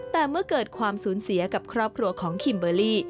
แต่เมื่อเกิดความสูญเสียกับครอบครัวของคิมเบอร์รี่